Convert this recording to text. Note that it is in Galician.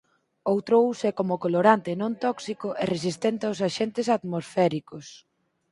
Outro uso é como colorante non tóxico e resistente aos axentes atmosféricos.